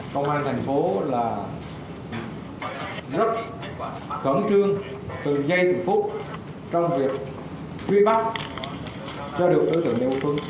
công an tp hcm rất khẩn trương từ giây từ phút trong việc truy bắt cho được đối tượng lê quốc tuấn